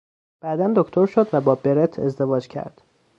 بعدا دکتر شد و با برت ازدواج کرد.